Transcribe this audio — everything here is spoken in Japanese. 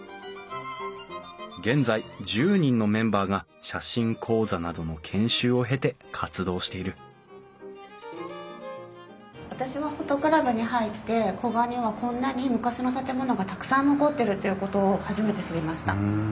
現在１０人のメンバーが写真講座などの私はＰｈｏｔｏクラブに入って古河にはこんなに昔の建物がたくさん残ってるっていうことを初めて知りました。